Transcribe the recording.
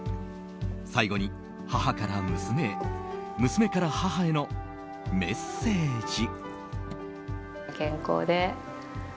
最後に母から娘へ娘から母へのメッセージ。